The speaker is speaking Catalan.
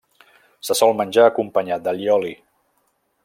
Se sol menjar acompanyat d'allioli.